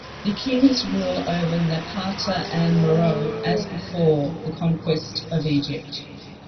The Kings rule over Napata and Meroe as before the conquest of Egypt.